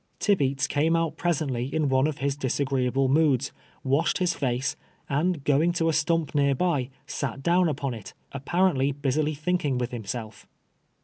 Tibeats came out pre sently in one of his disagreeable moods, washed his face, and going to a stump near by, sat down upon it, aj)parently busily thinking with himself.